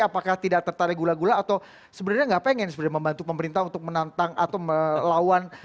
apakah tidak tertarik gula gula atau sebenarnya nggak pengen sebenarnya membantu pemerintah untuk menantang atau melawan